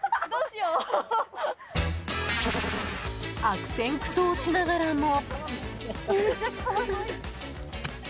悪戦苦闘しながらも。